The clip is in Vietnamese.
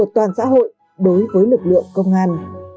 toàn xã hội đối với lực lượng công an